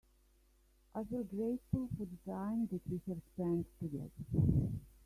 I feel grateful for the time that we have spend together.